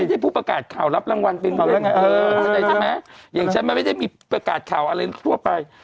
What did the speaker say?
ไม่ใช่ผู้ประกาศข่าวรับรางวัลเป็นแท้อย่างฉันไม่ใช่มีประกาศข่าวอะอะไรทั่วไป